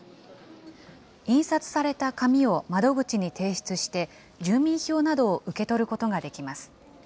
印刷された紙を窓口に提出して、住民票などを受け取ることができます。